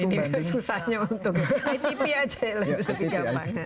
masih sama ini susahnya untuk itp aja